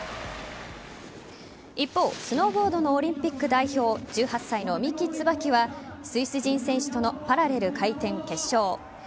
一方スノーボードのオリンピック代表１８歳の三木つばきはスイス人選手とのパラレル回転・決勝。